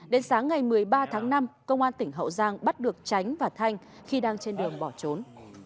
đến sáng ngày một mươi ba tháng năm công an tỉnh hậu giang bắt được tránh và thanh khi đang trên đường bỏ trốn